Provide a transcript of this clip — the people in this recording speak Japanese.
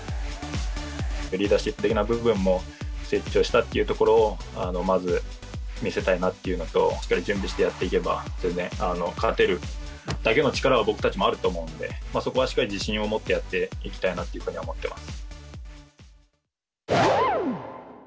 リーダーシップ的な部分も成長したというところを、まず見せたいなっていうのと、しっかり準備してやっていけば、全然勝てるだけの力は僕たちもあると思うんで、そこはしっかり自信を持ってやっていきたいなというふうに思ってます。